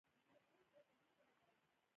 ژبې د افغانستان په هره برخه کې موندل کېږي.